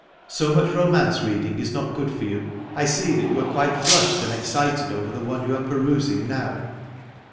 So much romance reading is not good for you. I see that you are quite flushed and excited over the one you are perusing now."